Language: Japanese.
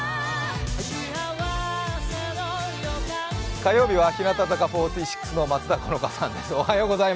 火曜日は日向坂４６の松田好花さんです。